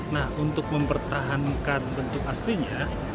nah untuk mempertahankan bentuk aslinya